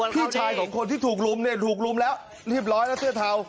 พี่ชายของคนที่ถูกรุมเนี่ยถูกรุมแล้วเรียบร้อยแล้วเสื้อเทา